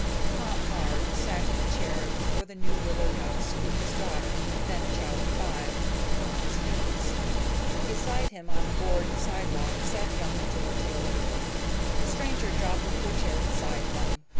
Tom Hard sat in a chair before the New Willard House with his daughter, then a child of five, on his knees. Beside him on the board sidewalk sat young George Willard. The stranger dropped into a chair beside them.